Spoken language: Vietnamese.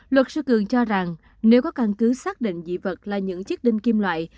luật sư cường cho rằng nếu có căn cứ xác định dị vật là những chiếc đinh kim loại